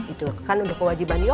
itu kan udah kewajiban yoyo